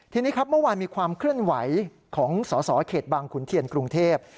ทีนี้ครับเมื่อวานมีความเคลื่อนไหวของสสเขตบางขุนเทียนกรุงเทพ